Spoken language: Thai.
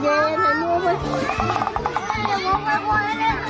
เฮ่ยขอบคุณครับ